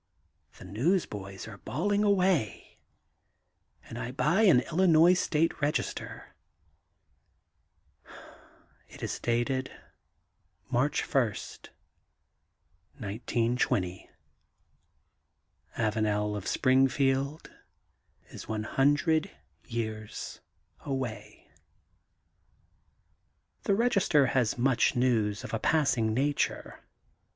The newsboys are bawling away, and I buy an Illinois State Register. It is dated March 1, 1920. Avanel of Springfield is one hundred years away. The Register has much news of a passing nature.